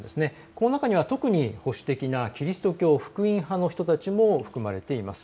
この中には特に保守的なキリスト教福音派の人たちも含まれています。